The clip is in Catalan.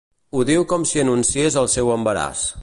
Ho diu com si anunciés el seu embaràs.